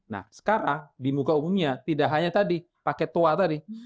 nah sekarang di muka umumnya tidak hanya tadi paket tua tadi